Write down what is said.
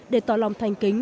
để tỏ lòng thành kính